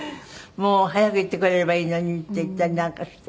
「もう早く言ってくれればいいのに」って言ったりなんかして。